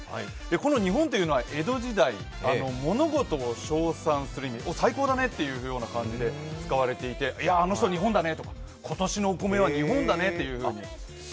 この日本というのは江戸時代、物事を称賛する意味、最高だねというような感じで使われていてあの人日本だねとか今年のお米は日本だよねとか。